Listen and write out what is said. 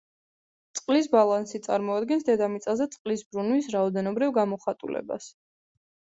წყლის ბალანსი წარმოადგენს დედამიწაზე წყლის ბრუნვის რაოდენობრივ გამოხატულებას.